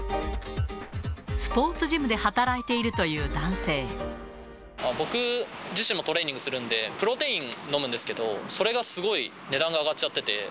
スポーツジムで働いていると僕自身もトレーニングするんで、プロテイン飲むんですけど、それがすごい値段が上がっちゃってて。